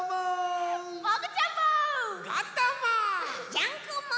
ジャンコも！